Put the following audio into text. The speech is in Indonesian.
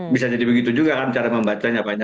bisa jadi begitu juga kan cara membacanya pak nyaru ya